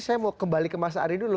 saya mau kembali ke masa tadi dulu